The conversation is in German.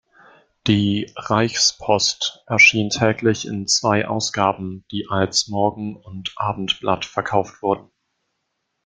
Die "Reichspost" erschien täglich in zwei Ausgaben, die als Morgen- und Abendblatt verkauft wurden.